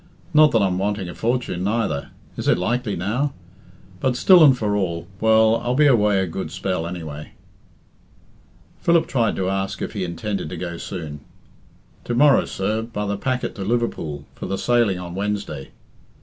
Not that I'm wanting a fortune, neither is it likely now? But, still and for all well, I'll be away a good spell, anyway." Philip tried to ask if he intended to go soon. "To morrow, sir, by the packet to Liverpool, for the sailing on Wednesday.